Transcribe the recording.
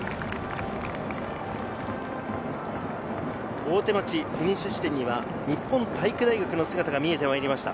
大手町フィニッシュ地点には日本体育大学の姿が見えてきました。